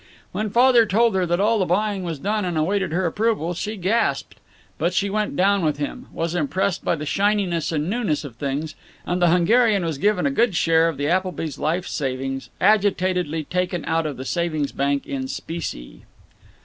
When Father told her that all the buying was done, and awaiting her approval, she gasped. But she went down with him, was impressed by the shininess and newness of things and the Hungarian was given a good share of the Applebys' life savings, agitatedly taken out of the savings bank in specie.